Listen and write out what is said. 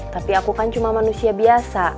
tapi aku kan cuma manusia biasa